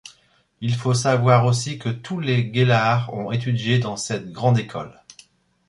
Il faut savoir aussi que tous les Gellar ont étudié dans cette grande école.